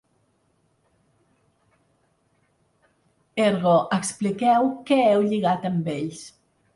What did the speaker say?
Ergo, expliqueu què heu lligat amb ells.